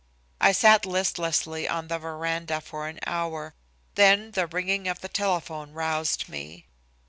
I sat listlessly on the veranda for an hour. Then the ringing of the telephone roused me.